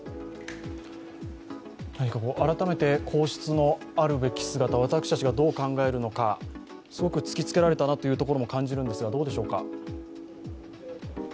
何か改めて皇室のあるべき姿、私たちがどう考えるのか、すごく突きつけられたなということも感じるんですが。